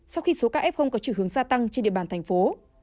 sau khi số kf có chiều hướng gia tăng trên địa bàn thành phố